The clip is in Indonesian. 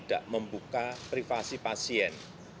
agar memperkenalkan virus corona yang terkena pada saat ini